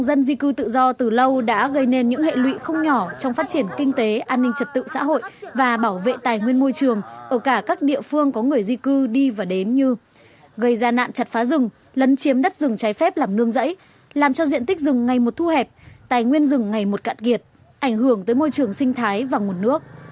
đã gây nên những hệ lụy không nhỏ trong phát triển kinh tế an ninh trật tự xã hội và bảo vệ tài nguyên môi trường ở cả các địa phương có người di cư đi và đến như gây ra nạn chặt phá rừng lấn chiếm đất rừng trái phép làm nương rẫy làm cho diện tích rừng ngày một thu hẹp tài nguyên rừng ngày một cạn kiệt ảnh hưởng tới môi trường sinh thái và nguồn nước